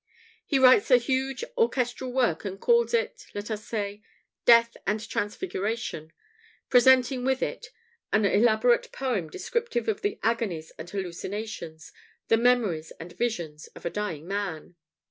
He writes a huge orchestral work and calls it, let us say, "Death and Transfiguration," presenting with it an elaborate poem descriptive of the agonies and hallucinations, the memories and visions, of a dying man.